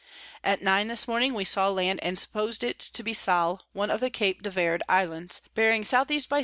At nine this morning we saw Land, and suppos'd it to be Sal one of the Cape De Verd Islands, bearing S E by S.